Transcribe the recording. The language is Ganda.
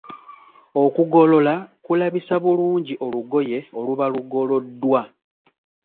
Okugolola kulabisa bulungi olugoye oluba lugoloddwa!